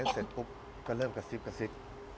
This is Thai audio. เสร็จปุ๊บก็เริ่มกระซิบกระซิบ